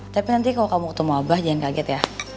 tapi nanti kalau kamu ketemu abah jangan kaget ya